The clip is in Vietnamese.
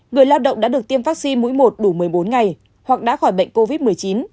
người lao động đã được tiêm vaccine mũi một đủ một mươi bốn ngày hoặc đã khỏi bệnh covid một mươi chín